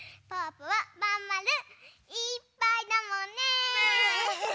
ぽはまんまるいっぱいだもんね！ね！